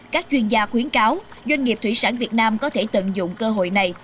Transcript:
các chuyên gia khuyến cáo doanh nghiệp thủy sản việt nam có thể tận dụng cơ hội này